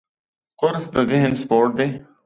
کورس د ذهن سپورټ دی.